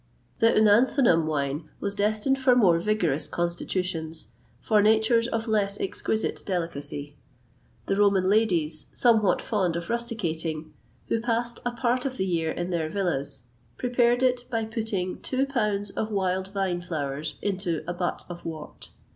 The Œnanthinum wine was destined for more vigorous constitutions, for natures of less exquisite delicacy. The Roman ladies, somewhat fond of rusticating, who passed a part of the year in their villas, prepared it by putting two pounds of wild vine flowers into a butt of wort.